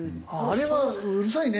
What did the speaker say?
あれはうるさいね。